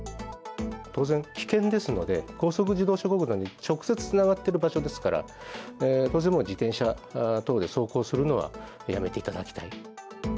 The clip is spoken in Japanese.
当然、危険ですので、高速自動車国道に直接つながってる場所ですから、当然、もう自転車等で走行するのはやめていただきたい。